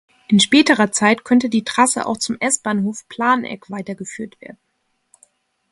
In späterer Zeit könnte die Trasse auch zum S-Bahnhof Planegg weitergeführt werden.